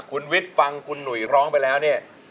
คุณวิทย์ฟังคุณหนุ่ยร้องไปแล้วเนี่ย